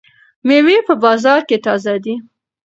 مېوې په بازار کې تازه دي.